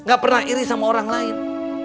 gak pernah iri sama orang lain